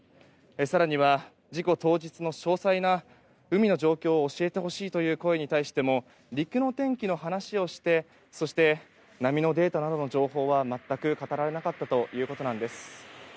更には、事故当日の詳細な海の状況を教えてほしいという声に対しても陸の天気の話をしてそして波のデータなどの情報は全く語られなかったということなんです。